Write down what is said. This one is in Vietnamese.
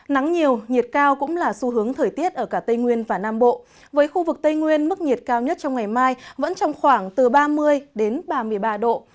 nắng nhiều nhiệt cao cũng là xu hướng thời tiết ở cả tây nguyên và nam bộ với khu vực tây nguyên mức nhiệt cao nhất trong ngày mai vẫn trong khoảng từ ba mươi đến ba mươi ba độ